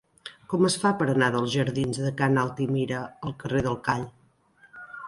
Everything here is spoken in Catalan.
Com es fa per anar dels jardins de Ca n'Altimira al carrer del Call?